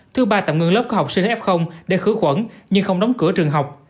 thứ ba tạm ngừng lớp có học sinh f để khử khuẩn nhưng không đóng cửa trường học